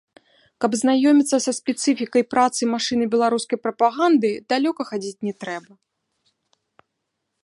Каб азнаёміцца са спецыфікай працы машыны беларускай прапаганды, далёка хадзіць не трэба.